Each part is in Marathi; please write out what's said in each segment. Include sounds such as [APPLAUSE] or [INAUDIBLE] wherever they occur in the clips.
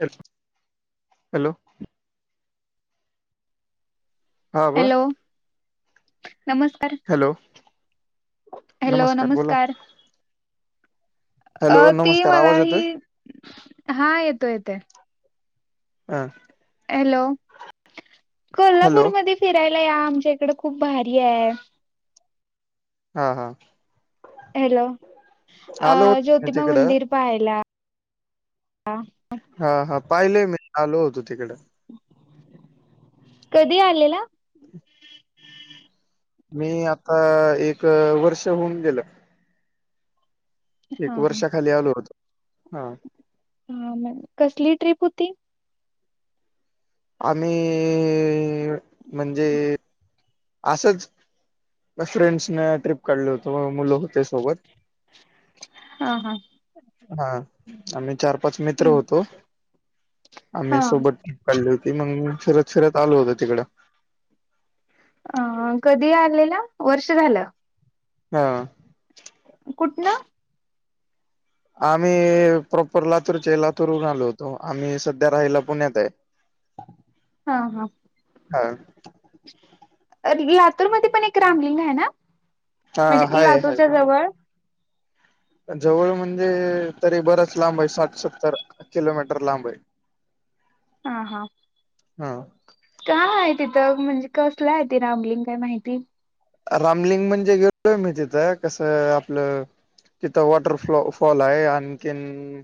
Hello hello! हा बोला हॅलो! नमस्कार.. हॅलो हॅलो! नमस्कार! अ हॅलो ती नमस्कार मला आवाज येतोय ही.. हा येतोय येतोय.. हा.. हॅलो हॅलो कोल्हापूरमध्ये फिरायला या आमच्या इकडे खूप भारी आहे.. हा हा.. हॅलो! अ आलो होत ज्योतिबा तिकडं मंदिर पाहायला [UNINTELLIGIBLE] हा हा.. पाहिलेय मी आलो होतो तिकडं.. कधी आलेला? मी आता एक वर्ष होऊन गेलं. एक हा हा वर्षाखाली आलो होतो हा.. हा काय? कसली ट्रीप होती? आम्ही..... म्हणजे.. असंच.. फ्रेंड्सने ट्रीप काढलं होत म मुलं होते सोबत. हा हा.. हा आम्ही चार-पाच मित्र होतो. आम्ही हा सोबत काढली होती मग फिरत फिरत आलो होत तिकडं. अ कधी आलेला वर्ष झालं. हा.. कुठनं? आम्ही प्रॉपर लातूरचे, लातूरहुन आलो होतो. त आम्ही सध्या राहायला पुण्यात आहे. हा हा.. हा.. अ लातूर मध्ये पण एक रामलिंग आहे ना, हा म्हणजे हाय हाय. लातूरच्या जवळ जवळ म्हणजे तरी बराच लांब आहे, साठ सत्तर किलोमीटर लांब आहे. हा हा.. हा.. काय आहे तिथं, म्हणजे कसलं आहे त रामलिंग का माहिती? रामलिंग म्हणजे गेलोय मी तिथं, कसं आपलं तिथं वॉटर फलो फॉल आहे, आणखीन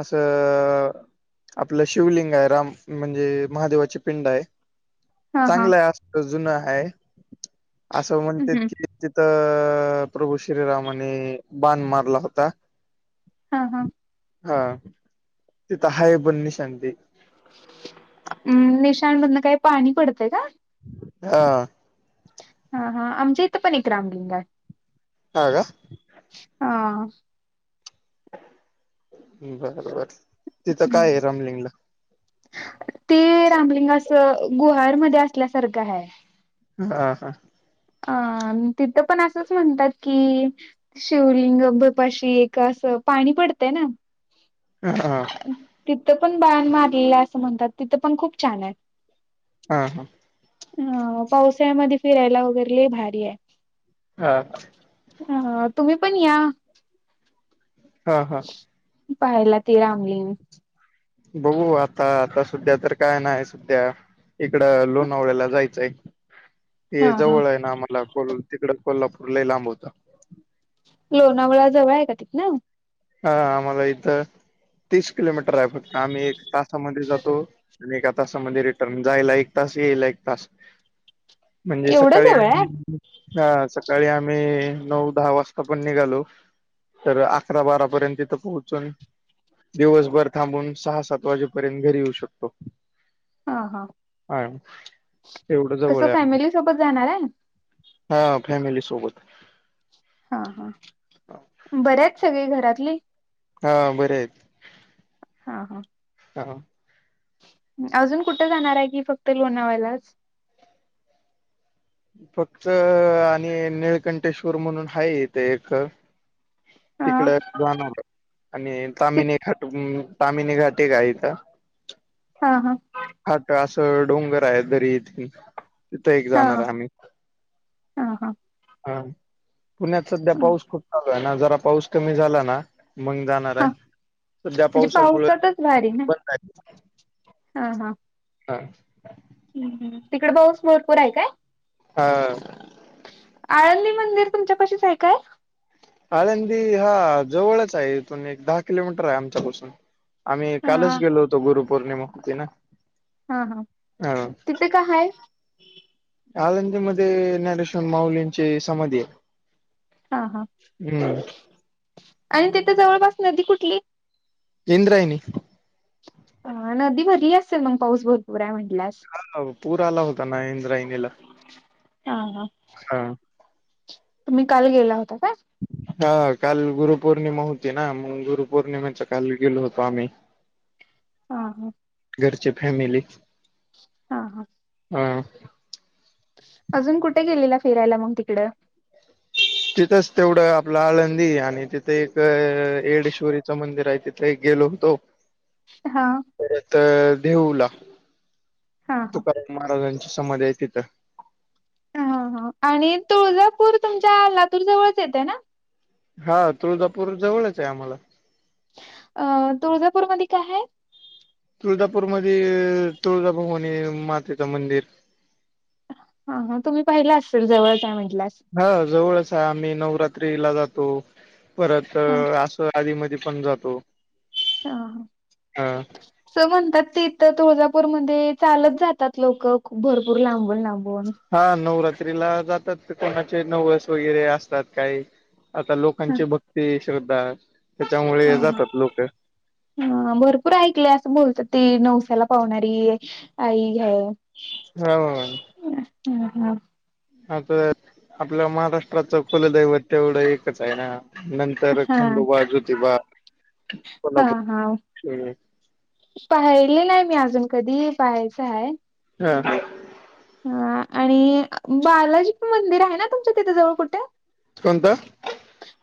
असं आपलं शिवलिंग आहे राम, म्हणजे महादेवाची पिंड आहे. हा हा चांगलं आहे अस जुन आहे, असं म्हणतात हम्म कि.. अ प्रभू श्रीरामाने बाण मारला होता. हा हा, हा तिथ हाय पण निशान ते. अम्, निशाणमधन काही पाणी पडतय का? हा. हा हा, आमच्या हित पण एक रामलिंग आहे. हा का? हा... बर बर, तिथं काय आहे रमलिंगला? ते रामलिंग अस गुहारमध्ये असल्यासारखं आहे. हा हा..... अ तिथं पण असंच म्हणतात की, शिवलिंगभपाशी एक अस, पाणी पडतंय ना. ह ह, तिथं पण बाण मारलेलं असं म्हणतात, तिथं पण खूप छान आहेत. हा हा... ह, पावसाळ्यामध्ये फिरायला वगैरे लय भारी आहे. हा का? हा, तुम्ही पण या ह ह पाहायला ते रामलिंग बघू आता, आता सध्या तर काय नाय सुट्ट्या. इकडं लोणावळ्याला जायचंय. हा हे हा जवळ आहे ना आम्हाला, तिकड कोल्हापूर लई लांब होत. लोणावळा जवळ आहे का तिथंन? हा आम्हाला इथं तीस किलोमीटर आहे फक्त, आम्ही एक तासामध्यें जातो. आणि एका तासामध्ये रिटर्न, जायला एक तास यायला एक तास. [INAUDIBLE] म्हणजे सकाळी जवळ आहे? आम्ही, हा सकाळी आम्ही नऊ दहा वाजता आपण निघालो, तर अकरा बारा पर्यंत इथं पोहोचून दिवसभर थांबून सहा, सात, वाजेपर्यंत घरी येऊ शकतो. हा हा, ह [UNINTELLIGIBLE] कसं फॅमिली सोबत जाणार आहे? हां फॅमिलीसोबत. हा हा, बरे आहेत सगळी घरातली? हा बरे आहेत. हा हां... हा [UNINTELLIGIBLE] अजून कुठे जाणार आहे की, फक्त लोणावलाच? फक्त आणि निळकंठेश्वर म्हणून हाय इथे एक हा. तिकड जाऊन आलो आणि ती ताम्हिणी घाट म्हणुन ताम्हिणी घाट एक हाय इथ हा हा. हा तर असं डोंगर आहे दरी इतकी तिथे एक हा जाणार आहे आम्ही. हा हा हा पुण्यात सध्या पाऊस खूप चालू ना जरा पाऊस कमी झाला ना. मग जाणार हा आहे सध्या म्हणजे पावसामुळे पावसातच भारी ना. बंद आहे. हा हा. हा. हम्म हम्म तिकडे पाऊस भरपूर आहे काय? हा. आळंदी मंदिर तुमच्यापाशीच आहे काय? आळंदी हा जवळच आहे इथून एक दहा किलोमीटर आहे आमच्यापासून. आम्ही हा कालच गेलो होतो गुरुपौर्णिमा होती ना. हा हा ह तिथे काय आहे? आळंदी मध्ये ज्ञानेश्वर माउलींची समाधी आहे. हा हा हम्म आणि तिथ जवळपास नदी कुठली? इंद्रायणी. अह नदी भरली असेल मग पाऊस भरपूर आहे म्हटल्यावर हा ना ओ पूर आला होता ना इंद्रायणीला हा हा हा. तुम्ही काल गेला होता काय. हा काल गुरुपौर्णिमा होती ना म्हणून गुरुपोर्णिमा काळी गेलो होतो आम्ही हा हा. घरचे फॅमिली. हा हा. हा. अजून कुठे गेलेला फिरायला मग तिकडं? तिथंच तेवढं आपलं आळंदी आणि तिथे एक अह येडेश्वरीचं मंदिर आहे तिथे एक गेलो होतो. हा. नंतर देहूला हा हा. तुकाराम महाराजांची समाधी आहे तिथं. हा हा आणि तुळजापूर तुमच्या अह लातूर जवळच येतय ना? हा तुळजापूर जवळच आहे आम्हाला. अह तुळजापूरमध्ये काय हाय? तुळजापूरमध्ये तुळजाभवानी मातेचं मंदिर. हा हा तुम्ही पाहिल असेल जवळच हाय म्हटल्यास हां जवळच आहे आम्ही नवरात्रीला जातो. परत हा. अस आधी मधी पण जातो. हा अस म्हणतात तिथ तुळजापूरमध्ये चालत जातात लोकं भरपूर लांबून लांबून. हां नवरात्रीला जातात कोणाचे नवस वगैरे असतात काही आता लोक हा लोकांची भक्ती श्रद्धा त्याच्यामुळे जातात लोकं. हां भरपूर ऐकले असं बोलत ती नवसाला पावणारी आई हाय. हा. हम्म हम्म. आमच आपल्या महाराष्ट्राचं कुलदैवत तेवढं एकच आहे ना. नंतर हा हा. खंडोबा, ज्योतिबा, हा कोल्हापूर. पाहिले नाही मी अजून कधी. पाहायचं हाय. ह, ह. हा आणि बालाजी मंदिर हाय ना, तुमच्या तिथे जवळ कुठे? कोणतं?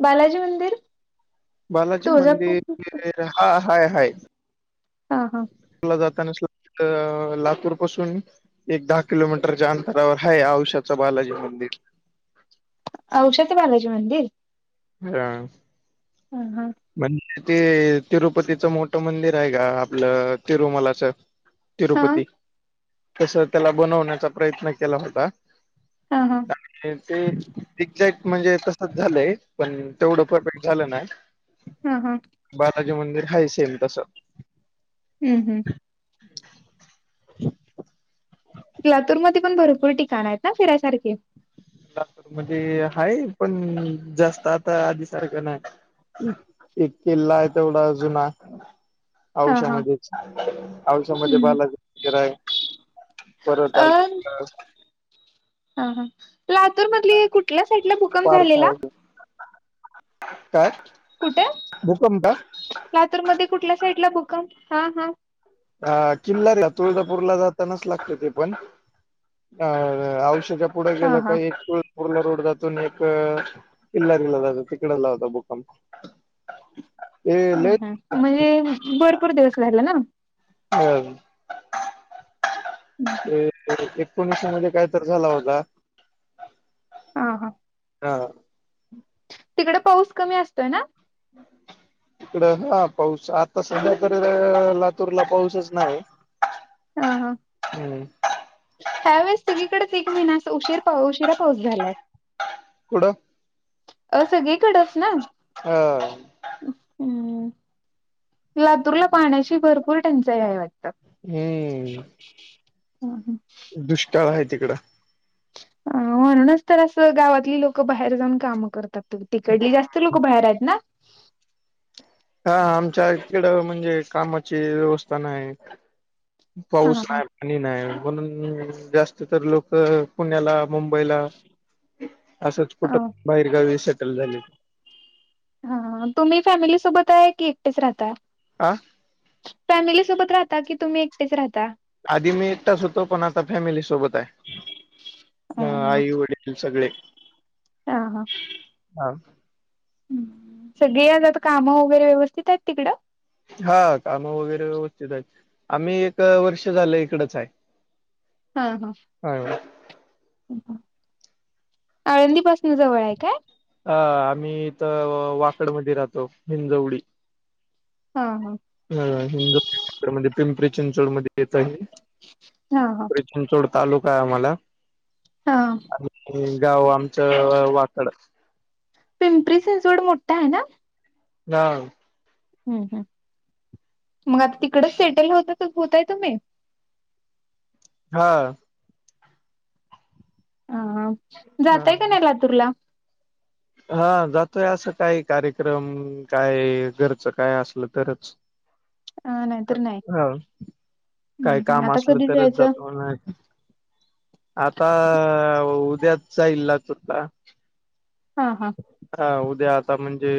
बालाजी मंदिर. बालाजी तुळजापूर मंदिर. हा, हाय- हाय. हा हा [UNINTELLIGIBLE] जात [UNINTELLIGIBLE] लातूर पासून एक दहा किलोमीटरच्या अंतरावर हाय. औषाचा बालाजी मंदिर. औषाचं बालाजी मंदिर. हा. ह, ह. पण ते तिरुपतीच मोठं मंदिर हाय का? आपलं, तिरुमलाचं. हा तिरुपती. तसं, त्याला बनवण्याचा प्रयत्न केला होता. हा हा ते एझॅक्ट म्हणजे तसच झालंय पण तेवढं परफेक्ट झालं नाही. हा, हा. बालाजी मंदिर हाय, सेम तसं. हं, हं. लातूरमध्ये पण भरपूर ठिकाणयत ना, फिरा्यसारखे. लातूरमध्ये हाय पण, जास्त आता आधी सारखं नाही. एक किल्लाय तेवढा जुना. हा हा औष्यामध्येच. औषामध्ये हम्म बालाजी मंदीराय. परत अ आजून हा, हा. लातूर मधली कुठल्या साईडला भूकंप पार्क झालेला? आहे काय? कुठे भूकंप. लातूरमध्ये कुठल्या साईडला भूकंप, हा. हां. अ किल्लारीला, तुळजापूरला जातानाच लागतं ते पण. अ औषच्या पुढे हा गेलं का? हा एक पू लातूरला रोड जातो, न एक किल्लारीला जातो. तिकडं झाला होता भुकंप. अ ह. म्हणजे भरपूर दिवस राहिला ना. ह [INAUDIBLE] एक एकोणीस मध्ये काय तर झाला होता. हा, हा. हा. तिकडं पाऊस कमी असतोय ना? तीकडं हा, पाऊस. आता सध्या तरी लातूरला पाऊसच नाही. हा, हा. हम्म ह्या वेळेस सगळीकडेच एक महिना असं, उशीर पाऊ, उशिरा पाऊस झालाय. कुडं अ सगळीकडच ना. हा. ह, अम्. लातूरला पाण्याची भरपूर टंचाई आहे वाटते. हम्म. हा हा. दुष्काळ हाय तिकडं. [UNINTELLIGIBLE] असं गावातली लोकं जाऊन काम कर तिकडली जास्त लोक भायर हायत ना. हा आमच्या इकड म्हणजे कामाची व्यवस्था नाई हा पाऊस हा. नाय. आणि नाय म्हणून जास्त तर लोक पुण्याला मुंबईला असंच अ कुठं बाहेरगावी सेटल झाली. हा हा तुम्ही फॅमिली सोबत हाय की एकटेच राहता. आ. फॅमिली सोबत राहता की तुम्ही एकटेच राहता. आधी मी एकटाच होतो पण आता फॅमिली सोबत हा ताय आई वडील सगळे ह हा. हां. सगळे आजात कामं वगैरे व्यवस्थित आहेत तिकडं. हा काम वगैरे व्यवस्थित हाईत आम्ही एक वर्ष झालं इकडच हाय. हा हा. आळंदी पासनं जवळ हाय काय? ह आम्ही इथ वाकड मध्ये राहतो हिंजवडी हा हा. ह हिंदू [UNINTELLIGIBLE] पिंपरी चिंचवड मध्ये येत आहे हा हा पिंपरी चिंचवड तालुकाय आम्हाला. हा. [UNINTELLIGIBLE] गाव आमचं वाकड. पिंपरी चिंचवड मोठ हाय ना. [UNINTELLIGIBLE] हम् हम् मग आता तिकडच सेटल होतातच होताय तुम्ही. हा. हा जातय का नाई लातूरला? हा जातोय असं काही कार्यक्रम काय घरचं काय असलं तरच. नाहीतर नाही. हा. काय हम्म काम आता असलं कधी तरच जायचं जातो नाय आता उद्याच जाईल ना सुद्धा हा हा. हा उद्या आता म्हणजे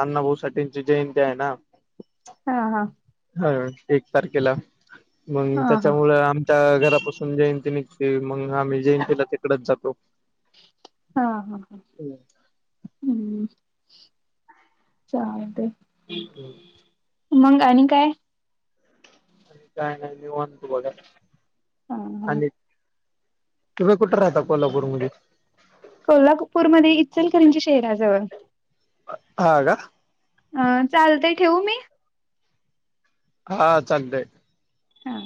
अण्णा भाऊ साठेंची जयंती हाय ना. हा हा. ह एक तारखेला मग हा हा त्याच्यामुळ आम घरापासून जयंती निघते मग आम्ही जयंतीला तिकडच जातो. हा हा हा. हम्म चालतंय. हम्. मंग आणि काय. आणि काय नाय निवांत बघा हा हा आणि तुम्ही कुठ राहता कोल्हापूर मध्ये? कोल्हापूर मध्ये इचलकरंजी शहराजवळ. हां का, अ चालते ठेवू मी, हा चालतेय, हा,